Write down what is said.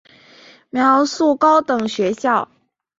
苗栗高等学校